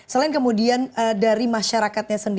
selain kemudian dari masyarakatnya